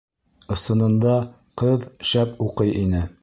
Ысынында ҡыҙ шәп уҡый ине.